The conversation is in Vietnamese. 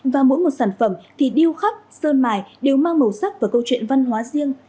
và mỗi một sản phẩm thì điêu khắc sơn mài đều mang màu sắc và câu chuyện văn hóa riêng